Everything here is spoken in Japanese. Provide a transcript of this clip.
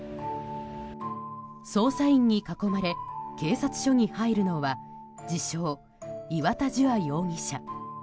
捜査員に囲まれ警察署に入るのは自称、岩田樹亞容疑者。